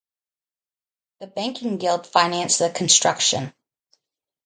The Banking Guild financed the construction.